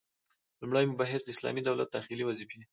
لومړی مبحث: د اسلامي دولت داخلي وظيفي: